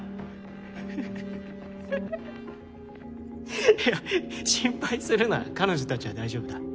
フフフいや心配するな彼女たちは大丈夫だ。